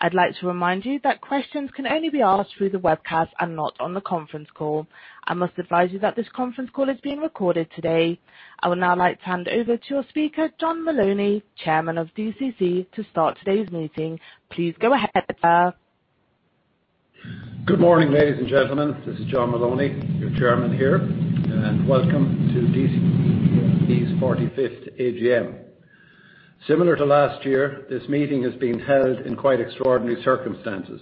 I'd like to remind you that questions can only be asked through the webcast and not on the conference call. I must advise you that this conference call is being recorded today. I would now like to hand over to your speaker, John Moloney, Chairman of DCC, to start today's meeting. Please go ahead, sir. Good morning, ladies and gentlemen. This is John Moloney, your Chairman here. Welcome to DCC's 45th AGM. Similar to last year, this meeting is being held in quite extraordinary circumstances.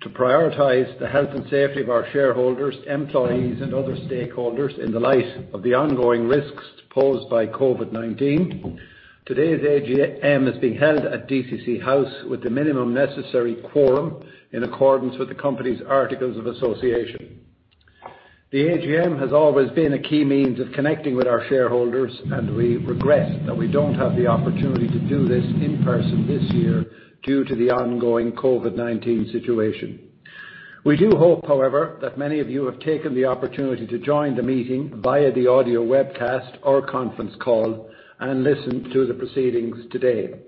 To prioritize the health and safety of our shareholders, employees, and other stakeholders in the light of the ongoing risks posed by COVID-19, today's AGM is being held at DCC House with the minimum necessary quorum in accordance with the company's articles of association. The AGM has always been a key means of connecting with our shareholders. We regret that we don't have the opportunity to do this in person this year due to the ongoing COVID-19 situation. We do hope, however, that many of you have taken the opportunity to join the meeting via the audio webcast or conference call and listen to the proceedings today.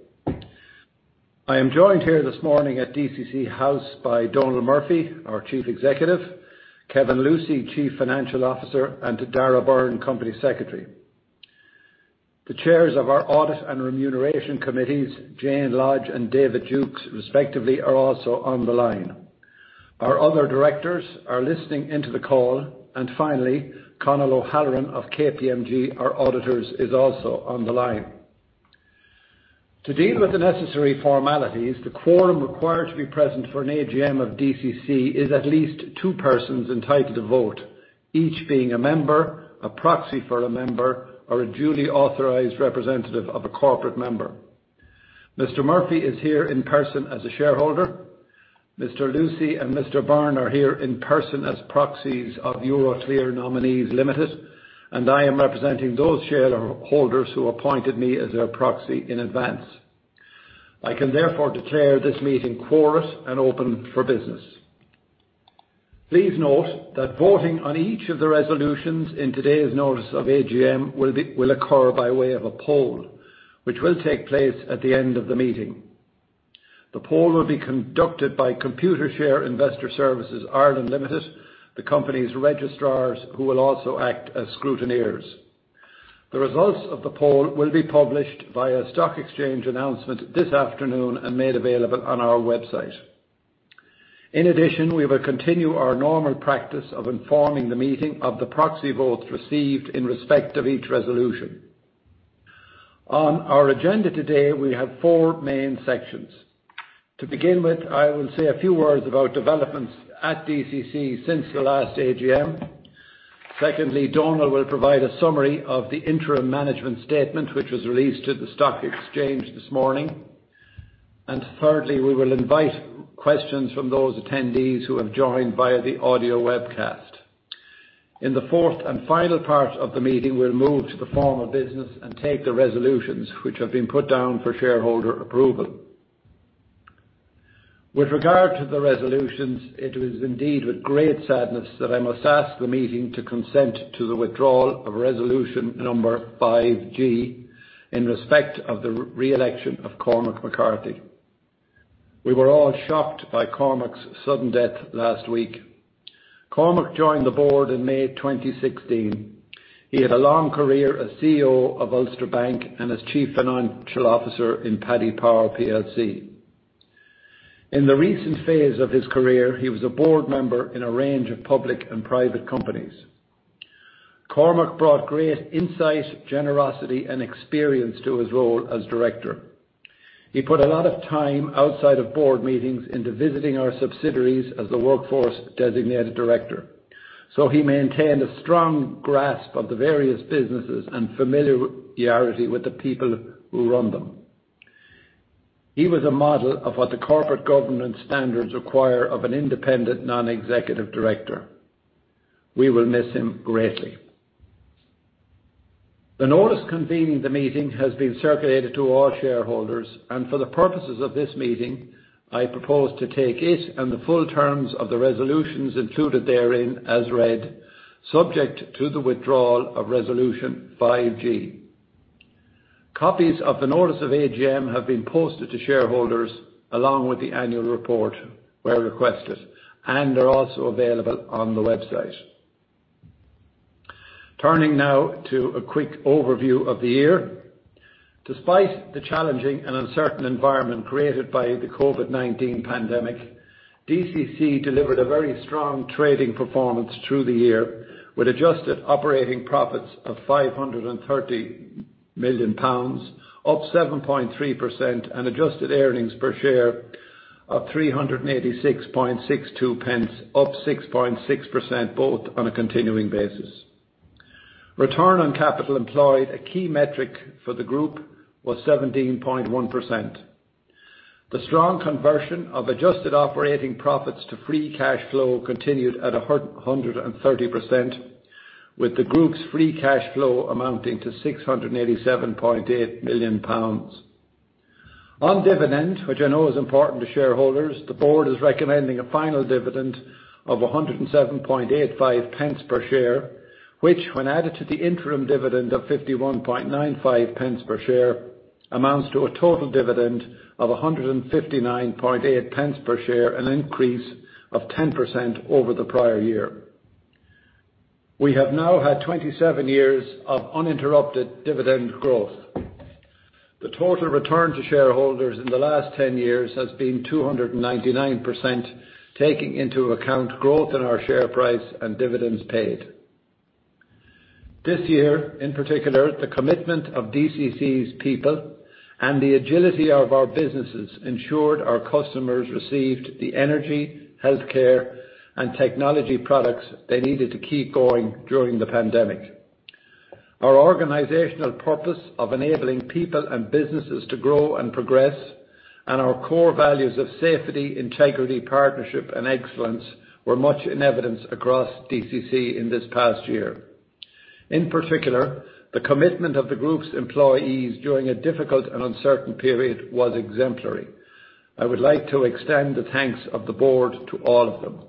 I am joined here this morning at DCC House by Donal Murphy, our Chief Executive, Kevin Lucey, Chief Financial Officer, and Darragh Byrne, Company Secretary. The chairs of our audit and remuneration committees, Jane Lodge and David Jukes, respectively, are also on the line. Our other directors are listening in to the call. Finally, Conall O'Halloran of KPMG, our auditors, is also on the line. To deal with the necessary formalities, the quorum required to be present for an AGM of DCC is at least two persons entitled to vote, each being a member, a proxy for a member, or a duly authorized representative of a corporate member. Mr. Murphy is here in person as a shareholder. Mr. Lucey and Mr. Byrne are here in person as proxies of Euroclear Nominees Limited, and I am representing those shareholders who appointed me as their proxy in advance. I can therefore declare this meeting quorate and open for business. Please note that voting on each of the resolutions in today's notice of AGM will occur by way of a poll, which will take place at the end of the meeting. The poll will be conducted by Computershare Investor Services (Ireland) Limited, the company's registrars, who will also act as scrutineers. The results of the poll will be published via a stock exchange announcement this afternoon and made available on our website. In addition, we will continue our normal practice of informing the meeting of the proxy votes received in respect of each resolution. On our agenda today, we have four main sections. To begin with, I will say a few words about developments at DCC since the last AGM. Secondly, Donal will provide a summary of the interim management statement, which was released to the stock exchange this morning. Thirdly, we will invite questions from those attendees who have joined via the audio webcast. In the fourth and final part of the meeting, we will move to the formal business and take the resolutions which have been put down for shareholder approval. With regard to the resolutions, it is indeed with great sadness that I must ask the meeting to consent to the withdrawal of resolution number 5G in respect of the re-election of Cormac McCarthy. We were all shocked by Cormac's sudden death last week. Cormac joined the Board in May 2016. He had a long career as CEO of Ulster Bank and as Chief Financial Officer in Paddy Power plc. In the recent phase of his career, he was a board member in a range of public and private companies. Cormac brought great insight, generosity, and experience to his role as director. He put a lot of time outside of Board meetings into visiting our subsidiaries as the workforce designated director, so he maintained a strong grasp of the various businesses and familiarity with the people who run them. He was a model of what the corporate governance standards require of an independent non-executive director. We will miss him greatly. The notice convening the meeting has been circulated to all shareholders, and for the purposes of this meeting, I propose to take it and the full terms of the resolutions included therein as read, subject to the withdrawal of Resolution 5G. Copies of the notice of AGM have been posted to shareholders along with the annual report where requested and are also available on the website. Turning now to a quick overview of the year. Despite the challenging and uncertain environment created by the COVID-19 pandemic, DCC delivered a very strong trading performance through the year with adjusted operating profits of 530 million pounds, up 7.3%, and adjusted earnings per share of 3.8662, up 6.6% both on a continuing basis. Return on capital employed, a key metric for the group, was 17.1%. The strong conversion of adjusted operating profits to free cash flow continued at 130%, with the group's free cash flow amounting to 687.8 million pounds. On dividend, which I know is important to shareholders, the Board is recommending a final dividend of 1.0785 per share, which when added to the interim dividend of 0.5195 per share, amounts to a total dividend of 1.598 per share, an increase of 10% over the prior year. We have now had 27 years of uninterrupted dividend growth. The total return to shareholders in the last 10 years has been 299%, taking into account growth in our share price and dividends paid. This year, in particular, the commitment of DCC's people and the agility of our businesses ensured our customers received the energy, healthcare, and technology products they needed to keep going during the pandemic. Our organizational purpose of enabling people and businesses to grow and progress, and our core values of safety, integrity, partnership, and excellence were much in evidence across DCC in this past year. In particular, the commitment of the group's employees during a difficult and uncertain period was exemplary. I would like to extend the thanks of the Board to all of them.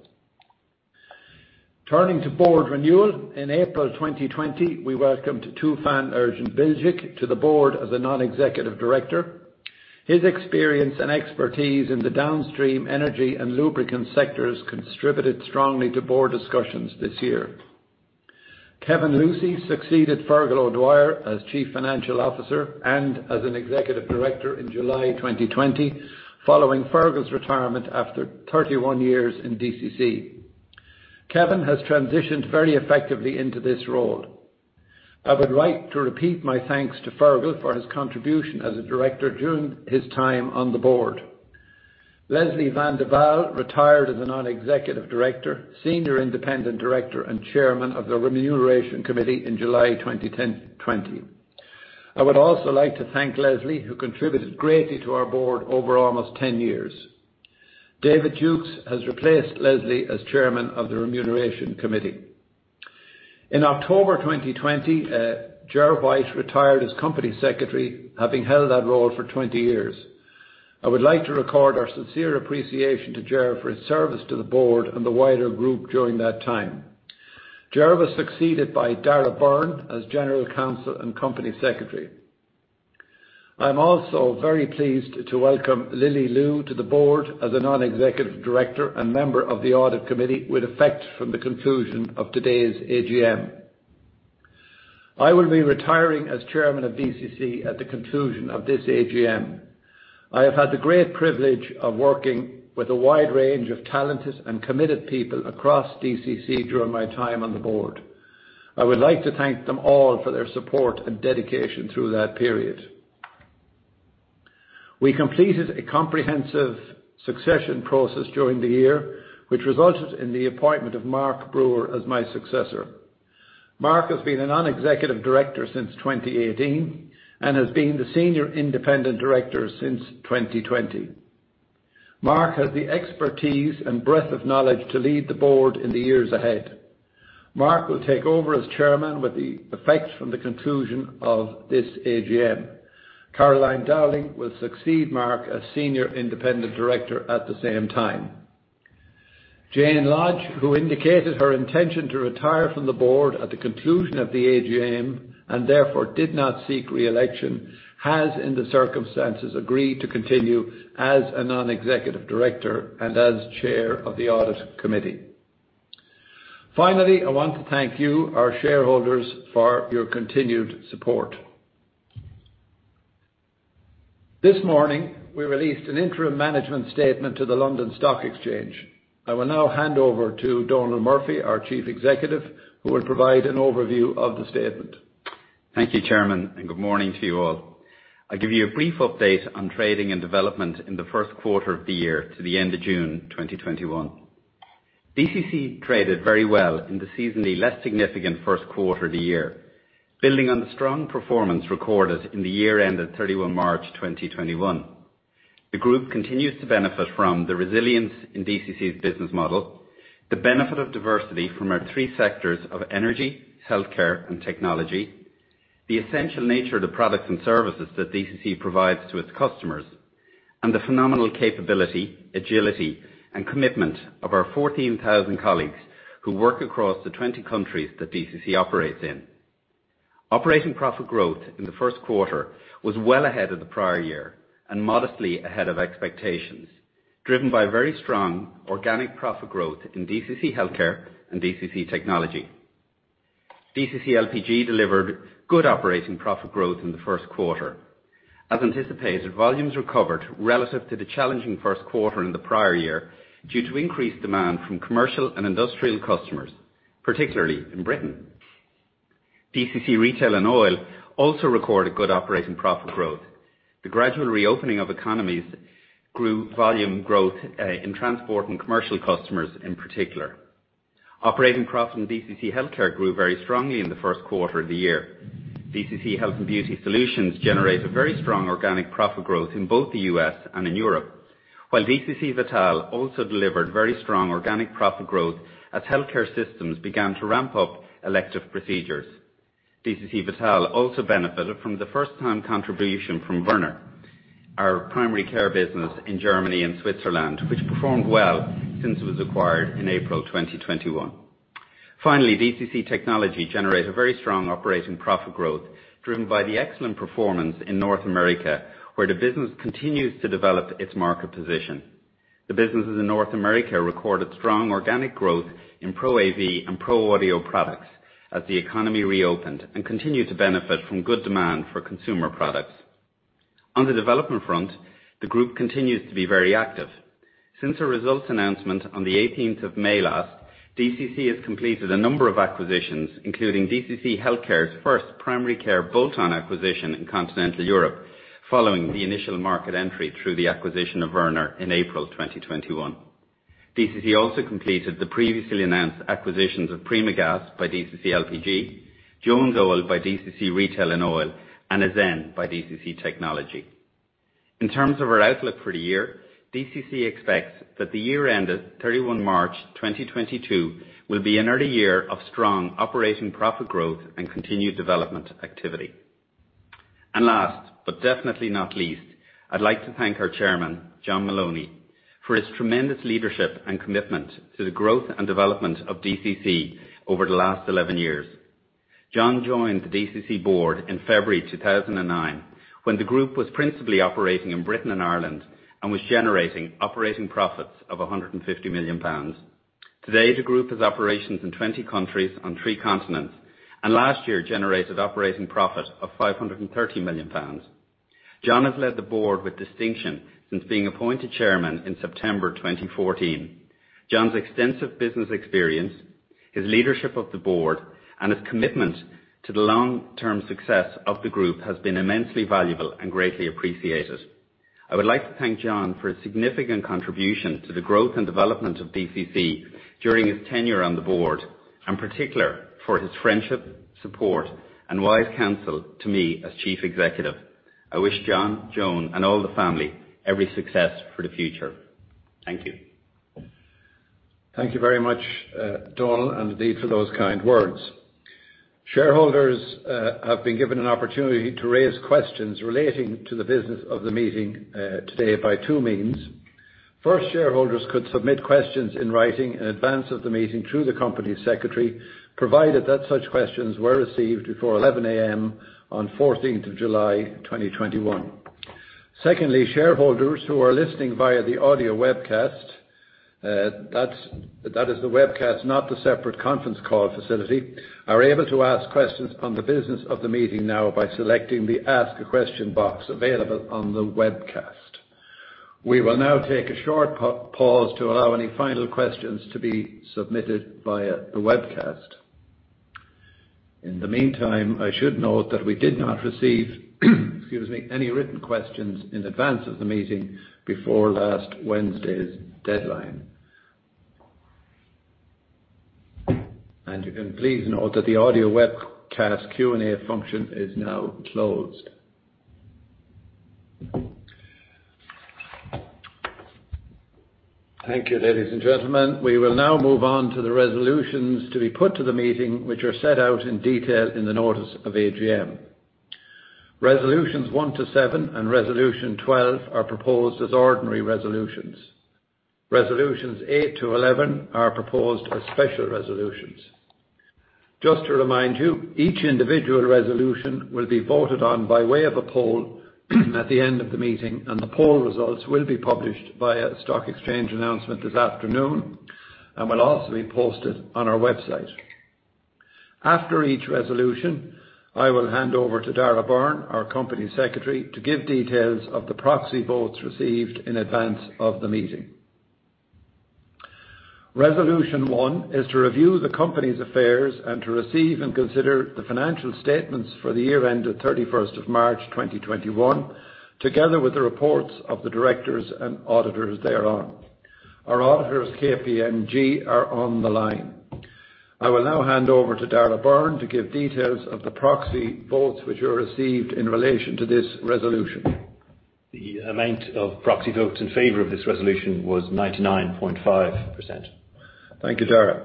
Turning to Board renewal. In April 2020, we welcomed Tufan Erginbilgic to the Board as a non-executive director. His experience and expertise in the downstream energy and lubricant sectors contributed strongly to Board discussions this year. Kevin Lucey succeeded Fergal O'Dwyer as Chief Financial Officer and as an Executive Director in July 2020, following Fergal's retirement after 31 years in DCC. Kevin has transitioned very effectively into this role. I would like to repeat my thanks to Fergal for his contribution as a director during his time on the Board. Leslie Van de Walle retired as a Non-Executive Director, Senior Independent Director, and Chairman of the Remuneration Committee in July 2020. I would also like to thank Leslie, who contributed greatly to our Board over almost 10 years. David Jukes has replaced Leslie as Chairman of the Remuneration Committee. In October 2020, Ger Whyte retired as Company Secretary, having held that role for 20 years. I would like to record our sincere appreciation to Ger for his service to the Board and the wider group during that time. Ger was succeeded by Darragh Byrne as General Counsel and Company Secretary. I'm also very pleased to welcome Lily Liu to the Board as a Non-Executive Director and member of the Audit Committee with effect from the conclusion of today's AGM. I will be retiring as Chairman of DCC at the conclusion of this AGM. I have had the great privilege of working with a wide range of talented and committed people across DCC during my time on the Board. I would like to thank them all for their support and dedication through that period. We completed a comprehensive succession process during the year, which resulted in the appointment of Mark Breuer as my successor. Mark has been a Non-Executive Director since 2018 and has been the Senior Independent Director since 2020. Mark has the expertise and breadth of knowledge to lead the Board in the years ahead. Mark will take over as Chairman with the effect from the conclusion of this AGM. Caroline Dowling will succeed Mark as Senior Independent Director at the same time. Jane Lodge, who indicated her intention to retire from the Board at the conclusion of the AGM and therefore did not seek re-election, has, in the circumstances, agreed to continue as a Non-Executive Director and as Chair of the Audit Committee. Finally, I want to thank you, our shareholders, for your continued support. This morning, we released an interim management statement to the London Stock Exchange. I will now hand over to Donal Murphy, our Chief Executive, who will provide an overview of the statement. Thank you, Chairman, and good morning to you all. I give you a brief update on trading and development in the first quarter of the year to the end of June 2021. DCC traded very well in the seasonally less significant first quarter of the year. Building on the strong performance recorded in the year end of 31 March 2021. The group continues to benefit from the resilience in DCC's business model, the benefit of diversity from our three sectors of energy, healthcare, and technology, the essential nature of the products and services that DCC provides to its customers, and the phenomenal capability, agility, and commitment of our 14,000 colleagues who work across the 20 countries that DCC operates in. Operating profit growth in the first quarter was well ahead of the prior year and modestly ahead of expectations, driven by very strong organic profit growth in DCC Healthcare and DCC Technology. DCC LPG delivered good operating profit growth in the first quarter. As anticipated, volumes recovered relative to the challenging first quarter in the prior year due to increased demand from commercial and industrial customers, particularly in Britain. DCC Retail and Oil also recorded good operating profit growth. The gradual reopening of economies grew volume growth in transport and commercial customers, in particular. Operating profit in DCC Healthcare grew very strongly in the first quarter of the year. DCC Health & Beauty Solutions generated very strong organic profit growth in both the U.S. and in Europe, while DCC Vital also delivered very strong organic profit growth as healthcare systems began to ramp up elective procedures. DCC Vital also benefited from the first-time contribution from Wörner, our primary care business in Germany and Switzerland, which performed well since it was acquired in April 2021. Finally, DCC Technology generated very strong operating profit growth, driven by the excellent performance in North America, where the business continues to develop its market position. The businesses in North America recorded strong organic growth in Pro AV and Pro Audio products as the economy reopened, and continued to benefit from good demand for consumer products. On the development front, the group continues to be very active. Since the results announcement on the 18th of May last, DCC has completed a number of acquisitions, including DCC Healthcare's first primary care bolt-on acquisition in continental Europe, following the initial market entry through the acquisition of Wörner in April 2021. DCC also completed the previously announced acquisitions of Primagaz by DCC LPG, Jones Oil by DCC Retail and Oil, and Azenn by DCC Technology. In terms of our outlook for the year, DCC expects that the year ended 31 March 2022 will be another year of strong operating profit growth and continued development activity. Last, but definitely not least, I'd like to thank our Chairman, John Moloney, for his tremendous leadership and commitment to the growth and development of DCC over the last 11 years. John joined the DCC Board in February 2009, when the group was principally operating in Britain and Ireland and was generating operating profits of 150 million pounds. Today, the group has operations in 20 countries on three continents, and last year generated operating profit of 530 million pounds. John has led the Board with distinction since being appointed Chairman in September 2014. John's extensive business experience, his leadership of the Board, and his commitment to the long-term success of the group has been immensely valuable and greatly appreciated. I would like to thank John for his significant contribution to the growth and development of DCC during his tenure on the Board, and particular for his friendship, support, and wise counsel to me as Chief Executive. I wish John, Joan, and all the family every success for the future. Thank you. Thank you very much, Donal, and indeed for those kind words. Shareholders have been given an opportunity to raise questions relating to the business of the meeting today by two means. First, shareholders could submit questions in writing in advance of the meeting through the Company Secretary, provided that such questions were received before 11:00 A.M. on 14th of July 2021. Secondly, shareholders who are listening via the audio webcast, that is the webcast, not the separate conference call facility, are able to ask questions on the business of the meeting now by selecting the Ask a Question box available on the webcast. We will now take a short pause to allow any final questions to be submitted via the webcast. In the meantime, I should note that we did not receive any written questions in advance of the meeting before last Wednesday's deadline. You can please note that the audio webcast Q&A function is now closed. Thank you, ladies and gentlemen. We will now move on to the resolutions to be put to the meeting, which are set out in detail in the notice of AGM. Resolutions 1 to 7 and resolution 12 are proposed as ordinary resolutions. Resolutions 8 to 11 are proposed as special resolutions. To remind you, each individual resolution will be voted on by way of a poll at the end of the meeting, and the poll results will be published via stock exchange announcement this afternoon and will also be posted on our website. After each resolution, I will hand over to Darragh Byrne, our Company Secretary, to give details of the proxy votes received in advance of the meeting. Resolution 1 is to review the company's affairs and to receive and consider the financial statements for the year ended 31st of March 2021, together with the reports of the directors and auditors thereon. Our auditors, KPMG, are on the line. I will now hand over to Darragh Byrne to give details of the proxy votes which were received in relation to this resolution. The amount of proxy votes in favor of this resolution was 99.5%. Thank you, Darragh.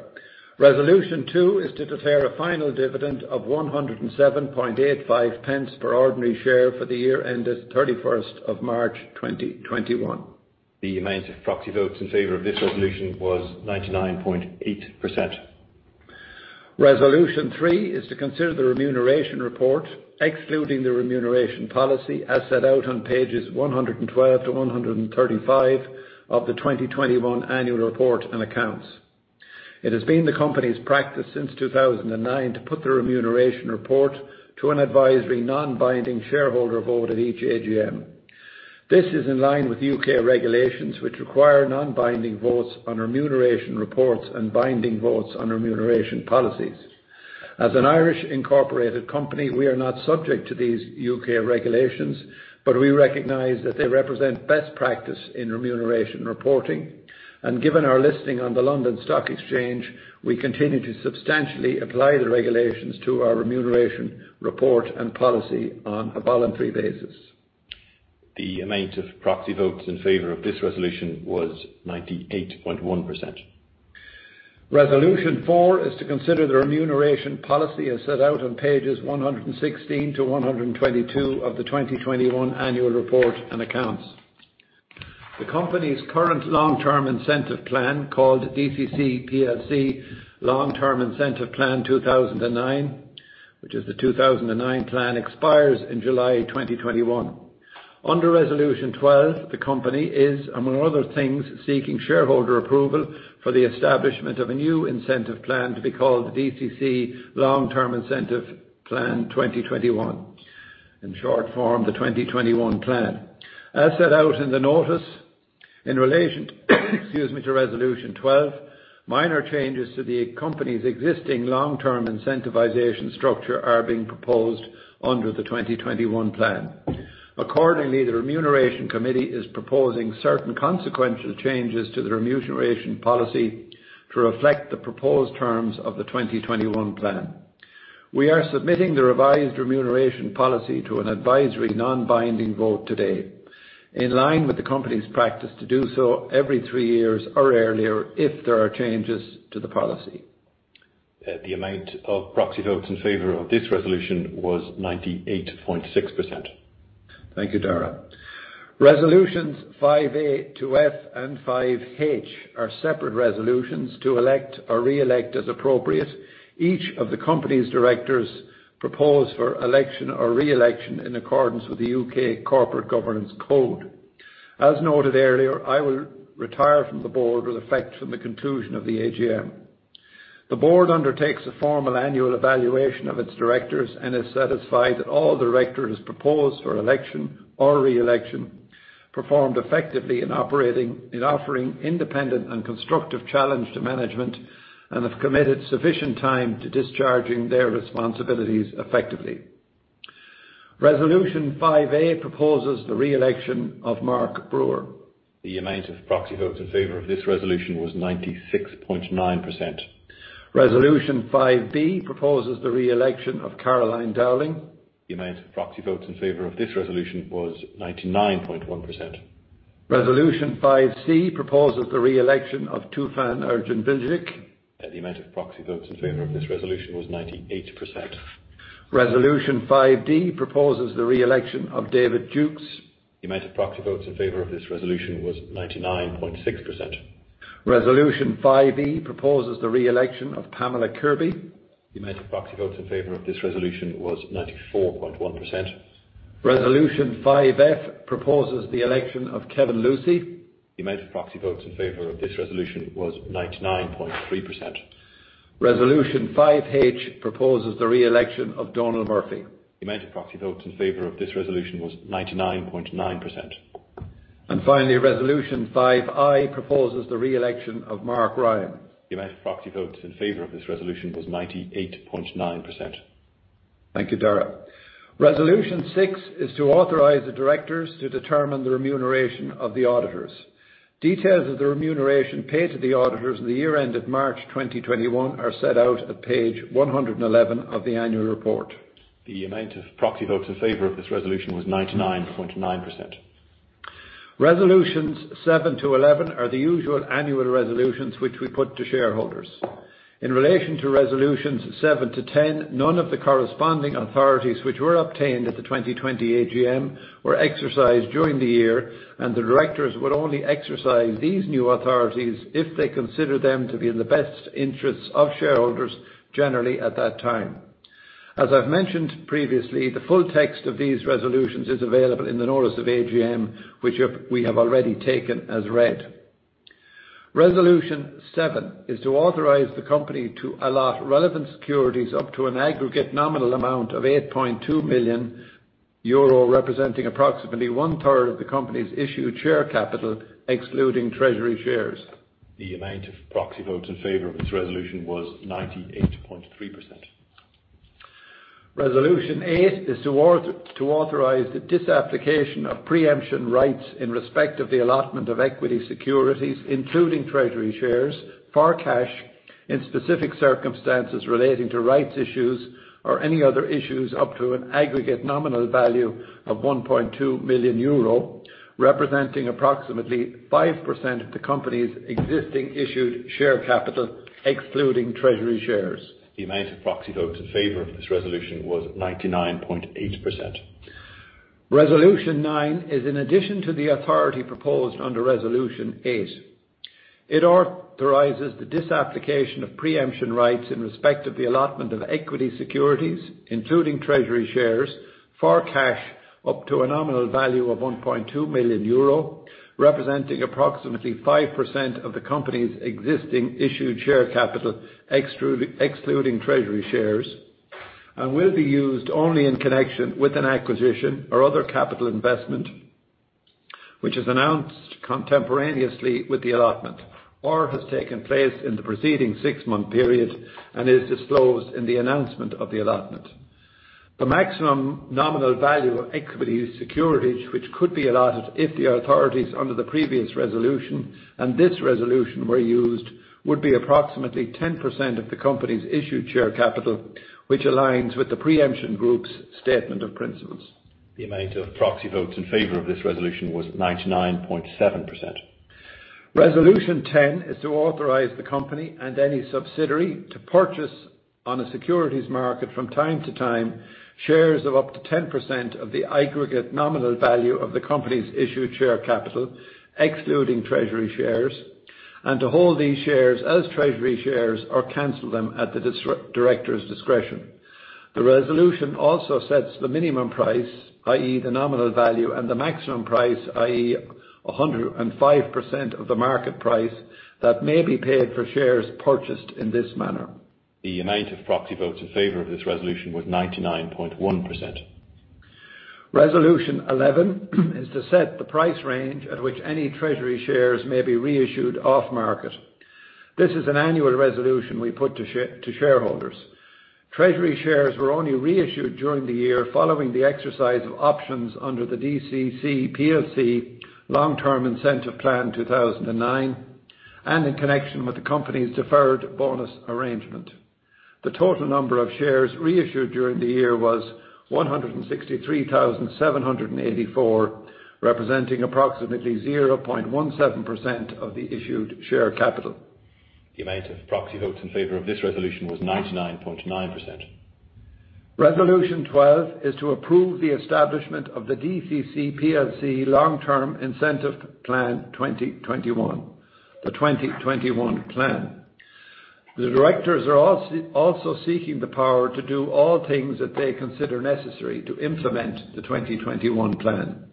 Resolution 2 is to declare a final dividend of 1.0785 per ordinary share for the year ended 31st of March 2021. The amount of proxy votes in favor of this resolution was 99.8%. Resolution 3 is to consider the remuneration report, excluding the remuneration policy, as set out on pages 112-135 of the 2021 annual report and accounts. It has been the company's practice since 2009 to put the remuneration report to an advisory non-binding shareholder vote at each AGM. This is in line with U.K. regulations which require non-binding votes on remuneration reports and binding votes on remuneration policies. As an Irish-incorporated company, we are not subject to these U.K. regulations, but we recognize that they represent best practice in remuneration reporting. Given our listing on the London Stock Exchange, we continue to substantially apply the regulations to our remuneration report and policy on a voluntary basis. The amount of proxy votes in favor of this resolution was 98.1%. Resolution 4 is to consider the remuneration policy as set out on pages 116-122 of the 2021 annual report and accounts. The company's current long-term incentive plan, called DCC plc Long Term Incentive Plan 2009, which is the 2009 plan, expires in July 2021. Under Resolution 12, the company is, among other things, seeking shareholder approval for the establishment of a new incentive plan to be called DCC plc Long Term Incentive Plan 2021. In short form, the 2021 plan. As set out in the notice in relation to resolution 12, minor changes to the company's existing long-term incentivization structure are being proposed under the 2021 plan. Accordingly, the remuneration committee is proposing certain consequential changes to the remuneration policy to reflect the proposed terms of the 2021 plan. We are submitting the revised remuneration policy to an advisory non-binding vote today, in line with the company's practice to do so every three years or earlier if there are changes to the policy. The amount of proxy votes in favor of this resolution was 98.6%. Thank you, Darragh. Resolutions 5A to F and 5H are separate resolutions to elect or re-elect as appropriate, each of the company's directors proposed for election or re-election in accordance with the U.K. Corporate Governance Code. As noted earlier, I will retire from the Board with effect from the conclusion of the AGM. The Board undertakes a formal annual evaluation of its directors and is satisfied that all directors proposed for election or re-election performed effectively in offering independent and constructive challenge to management and have committed sufficient time to discharging their responsibilities effectively. Resolution 5A proposes the re-election of Mark Breuer. The amount of proxy votes in favor of this resolution was 96.9%. Resolution 5B proposes the re-election of Caroline Dowling. The amount of proxy votes in favor of this resolution was 99.1%. Resolution 5C proposes the re-election of Tufan Erginbilgic. The amount of proxy votes in favor of this resolution was 98%. Resolution 5D proposes the re-election of David Jukes. The amount of proxy votes in favor of this resolution was 99.6%. Resolution 5E proposes the re-election of Pamela Kirby. The amount of proxy votes in favor of this resolution was 94.1%. Resolution 5F proposes the election of Kevin Lucey. The amount of proxy votes in favor of this resolution was 99.3%. Resolution 5H proposes the re-election of Donal Murphy. The amount of proxy votes in favor of this resolution was 99.9%. Finally, Resolution 5I proposes the re-election of Mark Ryan. The amount of proxy votes in favor of this resolution was 98.9%. Thank you, Darragh. Resolution 6 is to authorize the directors to determine the remuneration of the auditors. Details of the remuneration paid to the auditors in the year end of March 2021 are set out at page 111 of the annual report. The amount of proxy votes in favor of this resolution was 99.9%. Resolutions 7-11 are the usual annual resolutions which we put to shareholders. In relation to resolutions 7-10, none of the corresponding authorities which were obtained at the 2020 AGM were exercised during the year, and the Directors would only exercise these new authorities if they consider them to be in the best interests of shareholders generally at that time. As I've mentioned previously, the full text of these resolutions is available in the notice of AGM, which we have already taken as read. Resolution 7 is to authorize the company to allot relevant securities up to an aggregate nominal amount of 8.2 million euro, representing approximately one-third of the company's issued share capital, excluding treasury shares. The amount of proxy votes in favor of this resolution was 98.3%. Resolution 8 is to authorize the disapplication of pre-emption rights in respect of the allotment of equity securities, including treasury shares, for cash in specific circumstances relating to rights issues or any other issues up to an aggregate nominal value of 1.2 million euro, representing approximately 5% of the company's existing issued share capital, excluding treasury shares. The amount of proxy votes in favor of this resolution was 99.8%. Resolution 9 is in addition to the authority proposed under Resolution 8. It authorizes the disapplication of pre-emption rights in respect of the allotment of equity securities, including treasury shares, for cash up to a nominal value of 1.2 million euro, representing approximately 5% of the company's existing issued share capital, excluding treasury shares, and will be used only in connection with an acquisition or other capital investment which is announced contemporaneously with the allotment or has taken place in the preceding six-month period and is disclosed in the announcement of the allotment. The maximum nominal value of equity securities which could be allotted if the authorities under the previous resolution and this resolution were used, would be approximately 10% of the company's issued share capital, which aligns with the Pre-Emption Group's statement of principles. The amount of proxy votes in favor of this resolution was 99.7%. Resolution 10 is to authorize the company and any subsidiary to purchase on a securities market from time to time, shares of up to 10% of the aggregate nominal value of the company's issued share capital, excluding treasury shares, and to hold these shares as treasury shares or cancel them at the director's discretion. The resolution also sets the minimum price, i.e., the nominal value, and the maximum price, i.e., 105% of the market price, that may be paid for shares purchased in this manner. The amount of proxy votes in favor of this resolution was 99.1%. Resolution 11 is to set the price range at which any treasury shares may be reissued off market. This is an annual resolution we put to shareholders. Treasury shares were only reissued during the year following the exercise of options under the DCC plc Long Term Incentive Plan 2009, and in connection with the company's deferred bonus arrangement. The total number of shares reissued during the year was 163,784, representing approximately 0.17% of the issued share capital. The amount of proxy votes in favor of this resolution was 99.9%. Resolution 12 is to approve the establishment of the DCC plc Long Term Incentive Plan 2021, the 2021 plan. The directors are also seeking the power to do all things that they consider necessary to implement the 2021 plan.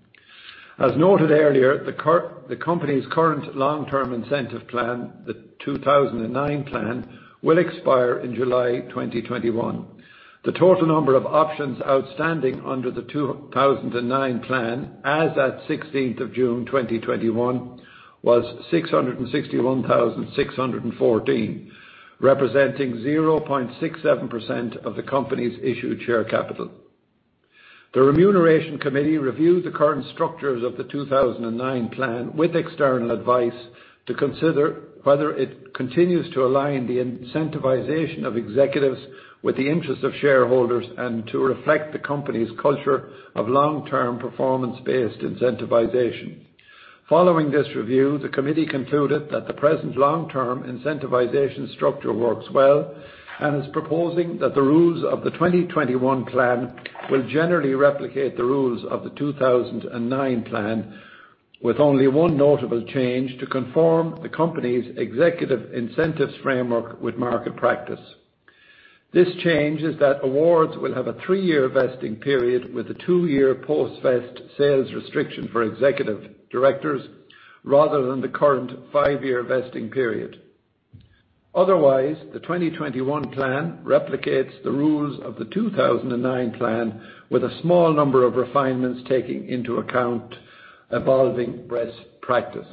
As noted earlier, the company's current long-term incentive plan, the 2009 plan, will expire in July 2021. The total number of options outstanding under the 2009 plan, as at 16th of June 2021, was 661,614, representing 0.67% of the company's issued share capital. The Remuneration Committee reviewed the current structures of the 2009 plan with external advice to consider whether it continues to align the incentivization of executives with the interest of shareholders, and to reflect the company's culture of long-term performance-based incentivization. Following this review, the committee concluded that the present long-term incentivization structure works well and is proposing that the rules of the 2021 plan will generally replicate the rules of the 2009 plan, with only one notable change to conform the company's executive incentives framework with market practice. This change is that awards will have a three-year vesting period with a two-year post-vest sales restriction for executive directors, rather than the current five-year vesting period. Otherwise, the 2021 plan replicates the rules of the 2009 plan with a small number of refinements taking into account evolving best practice.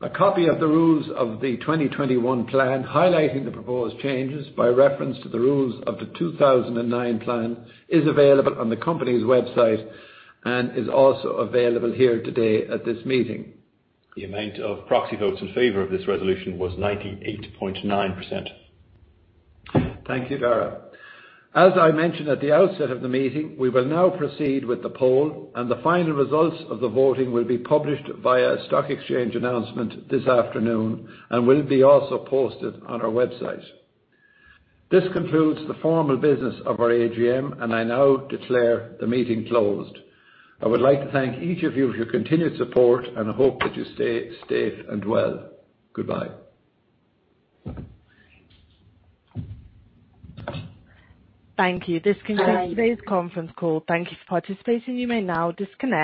A copy of the rules of the 2021 plan, highlighting the proposed changes by reference to the rules of the 2009 plan, is available on the company's website and is also available here today at this meeting. The amount of proxy votes in favor of this resolution was 98.9%. Thank you, Darragh. As I mentioned at the outset of the meeting, we will now proceed with the poll, and the final results of the voting will be published via Stock Exchange announcement this afternoon and will be also posted on our website. This concludes the formal business of our AGM, and I now declare the meeting closed. I would like to thank each of you for your continued support, and I hope that you stay safe and well. Goodbye. Thank you. This concludes today's conference call. Thank you for participating. You may now disconnect.